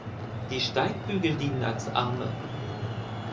Die Steigbügel dienen als Arme.